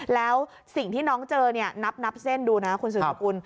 แล้วสิ่งที่น้องเจอเนี่ยนับเส้นดูนะคุณสืบสกุล